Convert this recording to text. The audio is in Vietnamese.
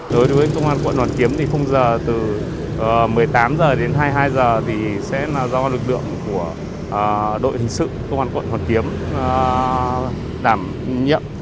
đối với công an quận hoàn kiếm thì không giờ từ một mươi tám h đến hai mươi hai h thì sẽ do lực lượng của đội hình sự công an quận hoàn kiếm đảm nhiệm